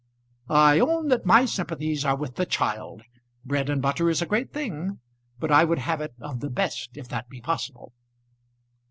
I own that my sympathies are with the child. Bread and butter is a great thing; but I would have it of the best if that be possible.